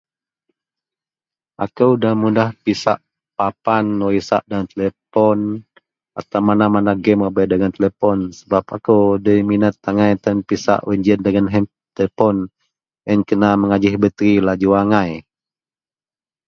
Ako da mudah pisak papan wak isak dagen telepon atau mana-mana gem wak bei dagen telepon sebab ako debei minat angai tan pisak wak gejiyen dagen telepon, iyen kena mengajih bateri laju angai.